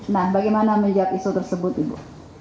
nah bagaimana menjawab isu tersebut ibu